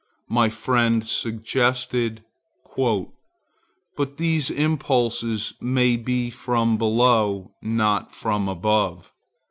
my friend suggested,—"But these impulses may be from below, not from above."